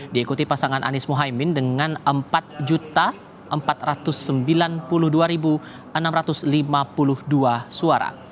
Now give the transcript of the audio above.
diikuti pasangan anies mohaimin dengan empat empat ratus sembilan puluh dua enam ratus lima puluh dua suara